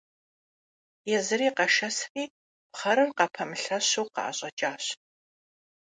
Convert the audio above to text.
Езыри къэшэсри пхъэрыр къыпэмылъэщу къаӏэщӏэкӏащ.